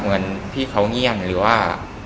เหมือนที่เขาเงี่ยงหรือว่า